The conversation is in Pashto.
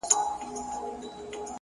مثبت ذهن پر امکاناتو تمرکز لري